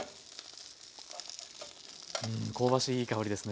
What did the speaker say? うん香ばしいいい香りですね。